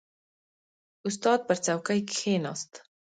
• استاد پر څوکۍ کښېناست.